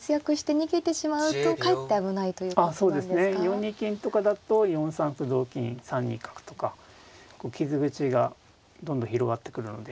４二金とかだと４三歩同金３二角とか傷口がどんどん広がってくるので。